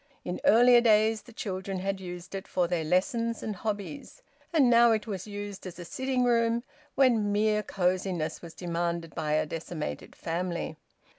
In earlier days the children had used it for their lessons and hobbies. And now it was used as a sitting room when mere cosiness was demanded by a decimated family.